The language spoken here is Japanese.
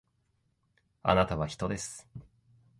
あなたは人です